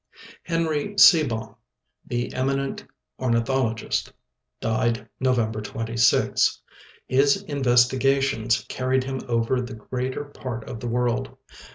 Henry Seebohm, the eminent ornithologist, died November 20. His investigations carried him over the greater part of the world.